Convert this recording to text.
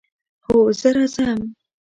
هو، زه راځم